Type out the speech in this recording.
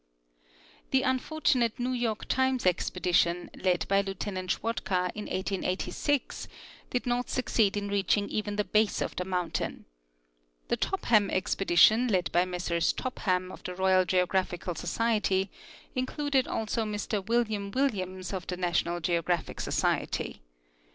The unfortunate New York Times expedition, led hy Lieu tenant Schwatka in 1886, did not succeed in reaching even the ' base of the mountain. The Topham expedition, led by Messrs Topham of the Royal Geographical Society, included also Mr William Williams of the National Geographic Society.